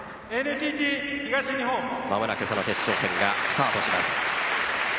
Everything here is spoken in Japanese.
間もなくその決勝戦がスタートします。